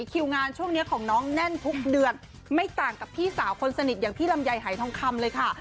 คิวงานช่วงนี้ของน้องแน่นทุกเดือนไม่ต่างกับพี่สาวคนสนิทอย่างพี่ลำไยหายทองคำเลยค่ะ